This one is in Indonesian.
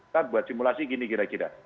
kita buat simulasi gini kira kira